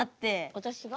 私が？